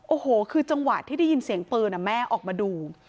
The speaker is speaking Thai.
โอ้โหคือจังหวะที่ได้ยินเสียงปืนแม่ออกมาดู